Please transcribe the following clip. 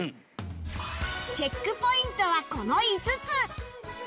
チェックポイントはこの５つ